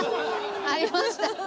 ありました。